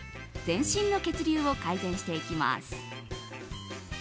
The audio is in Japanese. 全身の血流を改善していきます。